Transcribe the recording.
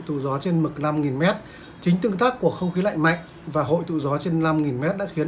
tù gió trên mực năm m chính tương tác của không khí lạnh mạnh và hội tụ gió trên năm m đã khiến